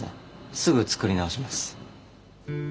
すぐ作り直します。